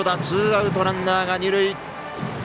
ツーアウトランナーが二塁。